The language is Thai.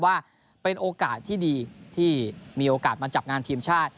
ว่าเป็นโอกาสที่ดีที่มีโอกาสมาจับงานทีมชาติ